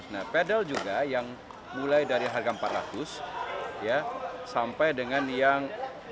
nah pedal juga yang mulai dari harga empat ratus sampai dengan yang